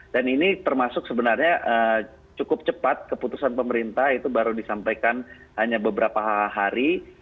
dan ini termasuk sebenarnya cukup cepat keputusan pemerintah itu baru disampaikan hanya beberapa hari